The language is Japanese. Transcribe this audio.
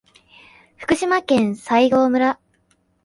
福島県西郷村